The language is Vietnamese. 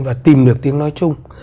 và tìm được tiếng nói chung